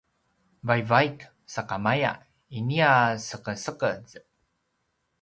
vaivaik sakamaya inia sekesekez